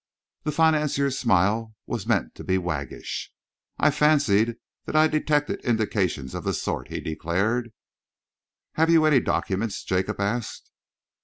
The financier's smile was meant to be waggish. "I fancied that I detected indications of the sort," he declared. "Have you any documents?" Jacob asked.